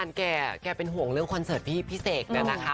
พี่กาลแกเป็นห่วงเรื่องคอนเซิร์ตอีกพี่เสกนะคะ